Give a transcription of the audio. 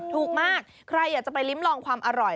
ถูกมากใครอยากจะไปลิ้มลองความอร่อย